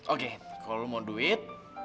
oke kalau lo mau duit